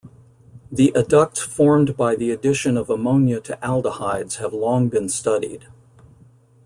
The adducts formed by the addition of ammonia to aldehydes have long been studied.